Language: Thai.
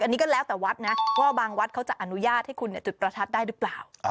อันนี้ก็แล้วแต่วัดนะว่าบางวัดเขาจะอนุญาตให้คุณจุดประทัดได้หรือเปล่า